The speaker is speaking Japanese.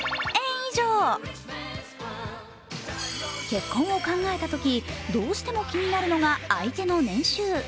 結婚を考えたとき、どうしても気になるのが相手の年収。